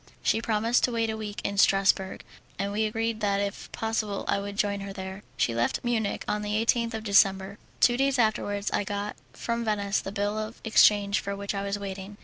She promised to wait a week in Strassburg, and we agreed that if possible I would join her there. She left Munich on the 18th of December. Two days afterwards I got from Venice the bill of exchange for which I was waiting.